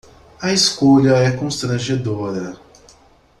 A escolha é constrangedora.